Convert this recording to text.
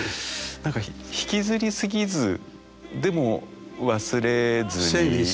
何か引きずりすぎずでも忘れずに。